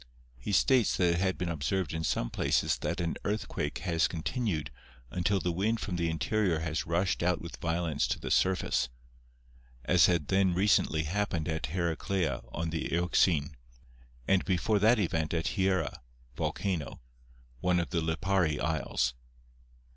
He states that it had been observed in some places that an earthquake has continued until the wind from the interior has rushed out with vio lence to the surface, as had then recently happened at Heracleia on the Euxine, and before that event at Hiera (Volcano), one of the Lipari Isles.